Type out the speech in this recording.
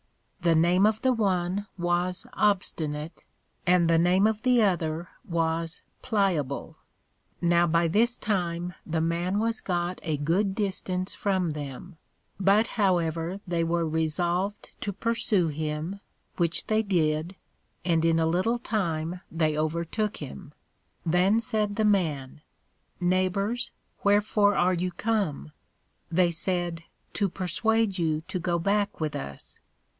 The name of the one was Obstinate, and the name of the other was Pliable. Now by this time the Man was got a good distance from them; but however they were resolved to pursue him, which they did, and in a little time they overtook him. Then said the Man, Neighbors, wherefore are you come? They said, To persuade you to go back with us.